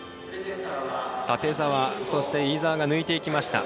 館澤、そして飯澤が抜いていきました。